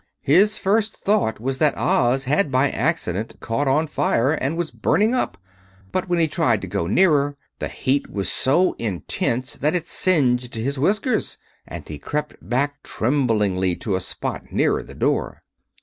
His first thought was that Oz had by accident caught on fire and was burning up; but when he tried to go nearer, the heat was so intense that it singed his whiskers, and he crept back tremblingly to a spot nearer the door.